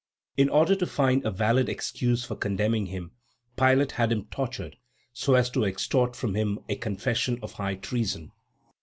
In order to find a valid excuse for condemning him, Pilate had him tortured so as to extort from him a confession of high treason.